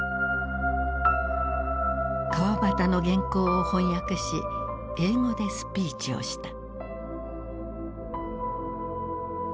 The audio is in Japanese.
川端の原稿を翻訳し英語でスピーチをした。